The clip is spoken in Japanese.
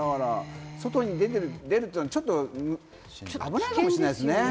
外に出るとちょっと危ないかもしれないですね。